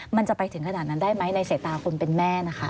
มันจะไปถึงขนาดนั้นได้ไหมในสายตาคนเป็นแม่นะคะ